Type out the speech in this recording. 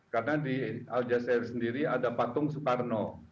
karena di al jazeera sendiri ada patung soekarno